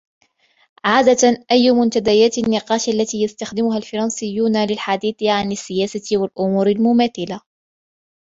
عادةً, أي منتديات النقاش التي يستخدمها الفرنسيون للحديث عن السياسة والأُمور المماثلة ؟